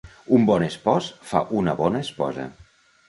Un bon espòs fa una bona esposa.